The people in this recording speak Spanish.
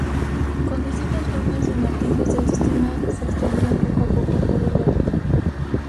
Con distintas formas y matices el sistema se extendía poco a poco por Europa.